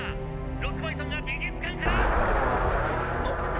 ロックバイソンが美術館から」。